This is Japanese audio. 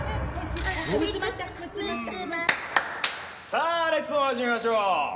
さあレッスンを始めましょう！